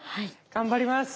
頑張ります。